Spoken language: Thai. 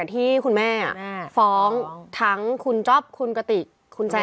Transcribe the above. ที่คุณแม่ฟ้องทั้งคุณจ๊อปคุณกติกคุณแซน